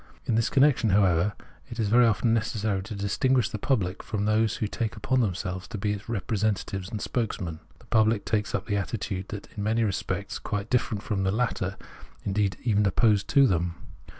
In this connection, however, it is very often necessary to distinguish the public from those who take upon themselves to be its representatives and spokesmen. The pubhc takes up an attitude in many respects quite difierent from the latter, indeed, even opposed to them.